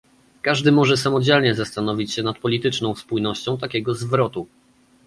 Każdy może samodzielnie zastanowić się nad polityczną spójnością takiego zwrotu